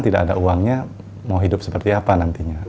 tidak ada uangnya mau hidup seperti apa nantinya